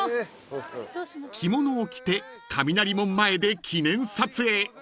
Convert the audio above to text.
［着物を着て雷門前で記念撮影］